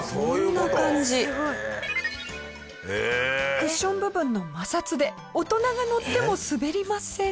クッション部分の摩擦で大人が乗っても滑りません。